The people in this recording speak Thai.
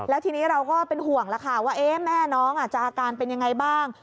แล้วทีนี้เราก็เป็นห่วงแล้วค่ะว่าแม่น้องจะอาการเป็นยังไงบ้าง